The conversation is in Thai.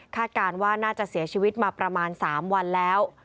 การว่าน่าจะเสียชีวิตมาประมาณ๓วันแล้ว